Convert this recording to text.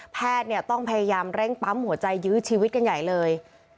แพทย์ต้องพยายามเร่งปั๊มหัวใจยื้อชีวิตกันใหญ่เลย